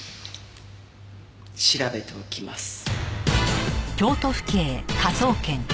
調べておきます。